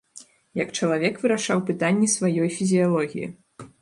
Як чалавек вырашаў пытанні сваёй фізіялогіі.